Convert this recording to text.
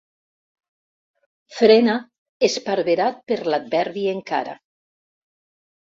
Frena, esparverat per l'adverbi encara.